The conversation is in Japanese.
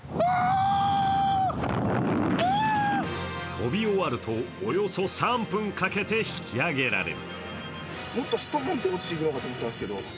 飛び終わると、およそ３分かけて引き上げられる。